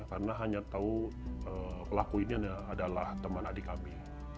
karena hanya tahu pelaku ini adalah teman adik kami